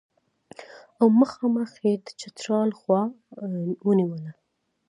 او مخامخ یې د چترال خوا ونیوله.